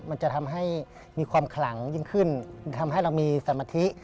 มันจะทำให้มีความขลังยิ่งขึ้นทำให้เรามีสมาธิ